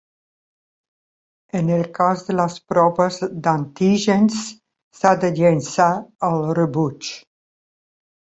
En el cas de les proves d’antígens, s’ha de llençar al rebuig.